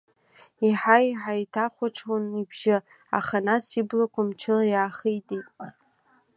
Еиҳа-еиҳа иҭахәаҽуан ибжьы, аха нас иблақәа мчыла иаахитит.